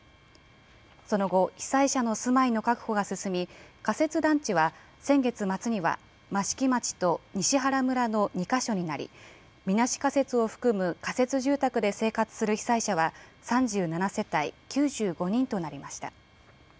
その後、被災者の住まいの確保が進み、仮設団地は先月末には、益城町と西原村の２か所になり、みなし仮設を含む仮設住宅で生活する被災者は３７世帯９５人となりました。